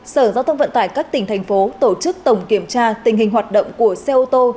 sở giao thông vận tải các tỉnh thành phố tổ chức tổng kiểm tra tình hình hoạt động của xe ô tô